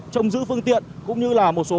trông giữ phương tiện cũng như là một số